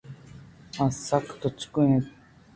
آ سک تچگ ءَ اِنت ۔